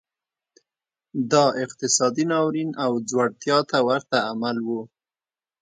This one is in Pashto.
دا اقتصادي ناورین او ځوړتیا ته ورته عمل و.